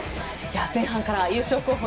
前半から優勝候補